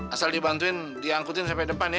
asal dibantuin diangkutin sampai depan ya